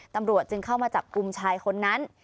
ตำรวจจึงเข้ามาจับกลุ่มชายคนนั้น